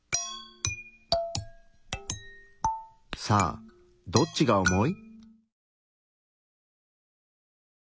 さあどっちが重い？